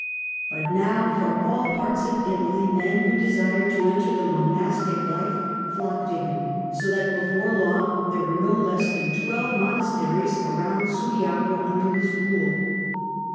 Monte But now from all parts of Italy men who desired to 528 enter the monastic life flocked to him, so that before long there were no less than twelve monasteries around Subiaco under his rule.